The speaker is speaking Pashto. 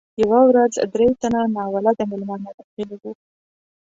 یوه ورځ درې تنه ناولده میلمانه ورغلي وو.